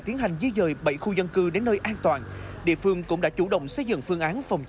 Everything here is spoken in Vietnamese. tiến hành di dời bảy khu dân cư đến nơi an toàn địa phương cũng đã chủ động xây dựng phương án phòng